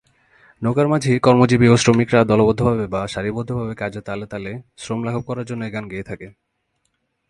নৌকার মাঝি, কর্মজীবী ও শ্রমিকরা দলবদ্ধভাবে বা সারিবদ্ধভাবে কাজের তালে তালে শ্রম লাঘব করার জন্য এ গান থেকে থাকে।